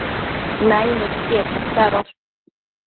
naimëdquiec posadosh